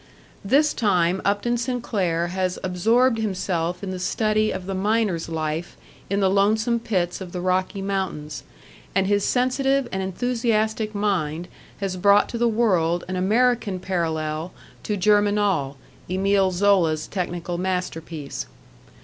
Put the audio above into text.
This time Upton Sinclair has absorbed himself in the study of the miner's life in the lonesome pits of the Rocky Mountains, and his sensitive and enthusiastic mind has brought to the world an American parallel to GERMINAL, Emile Zola's technical masterpiece.